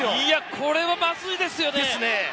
これは、まずいですよね。